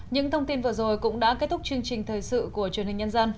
những thông tin vừa rồi cũng đã kết thúc chương trình thời sự của truyền hình nhân dân